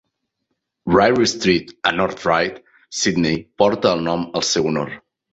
Ryrie Street a North Ryde, Sidney, porta el nom al seu honor.